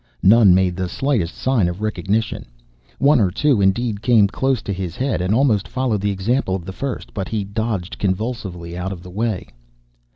None made the slightest sign of recognition. One or two, indeed, came close to his head and almost followed the example of the first, but he dodged convulsively out of the way.